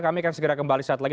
kami akan segera kembali saat lagi